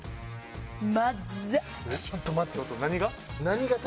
何が？